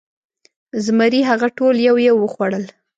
زمري هغه ټول یو یو وخوړل.